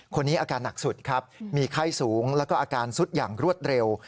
คนนี้อาการหนักสุดครับมีไข้สูงแล้วก็อาการสุดอย่างรวดเร็ว